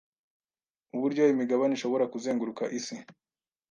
uburyo imigabane ishobora kuzenguruka isi